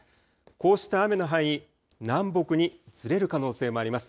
こうした雨の範囲、南北にずれる可能性もあります。